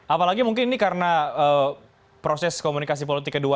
apalagi mungkin ini karena proses komunikasi politik kedua